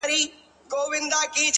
ستا د غزلونو و شرنګاه ته مخامخ يمه؛